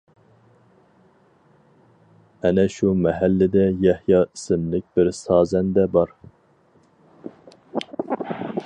ئەنە شۇ مەھەللىدە يەھيا ئىسىملىك بىر سازەندە بار.